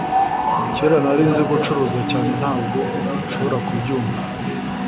kera narinzi gucuruza cyane ntabwo ushobora kubyumva